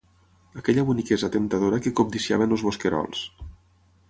Aquella boniquesa temptadora que cobdiciaven els bosquerols.